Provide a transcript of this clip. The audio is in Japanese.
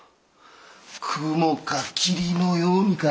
雲か霧のようにか。